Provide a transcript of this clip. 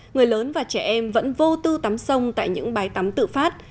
người lớn và trẻ em vẫn vô tư tắm sông tại những bãi tắm tự phát